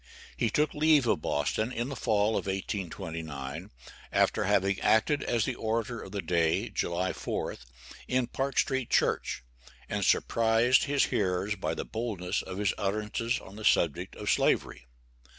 He took leave of Boston in the fall of 1829, after having acted as the orator of the day, July 4th, in Park Street church, and surprised his hearers by the boldness of his utterances on the subject of Slavery.